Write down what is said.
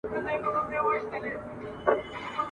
ما که یادوې که هېروې ګیله به نه لرم !.